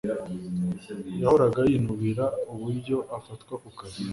Yahoraga yinubira uburyo afatwa kukazi